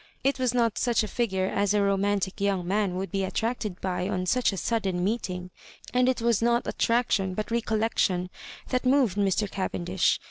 It was not such a figure as a romantic young man would be attracted by on such a sud den meeting, and it was not attraction but re collection that moved Mr. Cavendish.